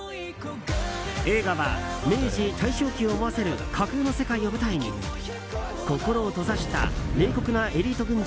映画は明治・大正期を思わせる架空の世界を舞台に心を閉ざした冷酷なエリート軍人